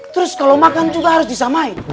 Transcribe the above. terus kalo makan juga harus disamai